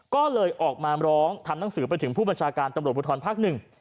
ก็เลยออกมาร้องทำหนังสือไปถึงผู้บัญชาการตำรวจภูทรภาคหนึ่ง